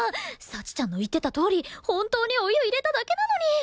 幸ちゃんの言ってたとおり本当にお湯入れただけなのに